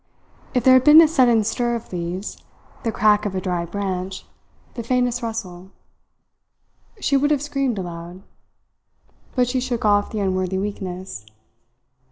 If there had been a sudden stir of leaves, the crack of a dry branch, the faintest rustle, she would have screamed aloud. But she shook off the unworthy weakness.